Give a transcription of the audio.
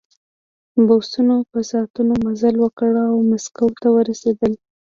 بسونو په ساعتونو مزل وکړ او مسکو ته ورسېدل